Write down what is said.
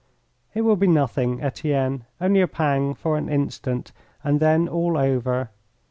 "It will be nothing, Etienne. Only a pang for an instant and then all over.